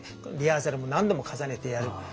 リハーサルも何度も重ねてやる。